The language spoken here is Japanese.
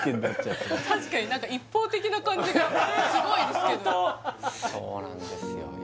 確かに何か一方的な感じがすごいですけどホントそうなんですよ